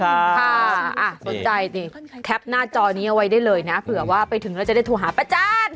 ค่ะสนใจสิแคปหน้าจอนี้เอาไว้ได้เลยนะเผื่อว่าไปถึงแล้วจะได้โทรหาป้าจาน